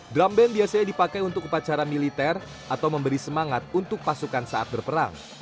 drum band biasanya dipakai untuk upacara militer atau memberi semangat untuk pasukan saat berperang